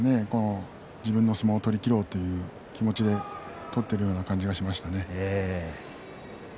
自分の相撲を取り切ろうという気持ちで取っているような感じがしましたね。